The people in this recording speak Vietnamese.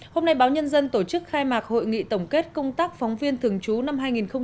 hôm nay báo nhân dân tổ chức khai mạc hội nghị tổng kết công tác phóng viên thường trú năm hai nghìn một mươi chín